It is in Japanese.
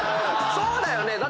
そうだよね！